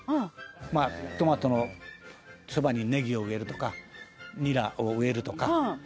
「まあトマトのそばにネギを植えるとかニラを植えるとか」